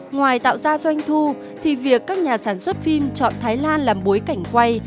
ngoài tạo ra doanh thu thì việc các nhà sản xuất phim chọn thái lan làm bối cảnh quay